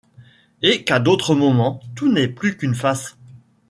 Et qu’à d’autres moments tout n’est plus qu’une face